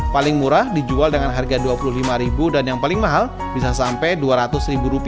paling murah dijual dengan harga rp dua puluh lima dan yang paling mahal bisa sampai rp dua ratus